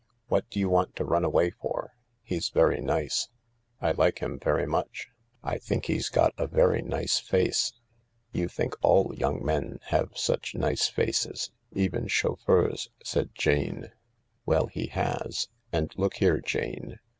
What do you want to run away for ? He's very nice. I like him very much, I think he's got a very nice face." " You think all young men have such nice faces — even chauffeurs," said Jane. "Well, he has. And look here, Jane.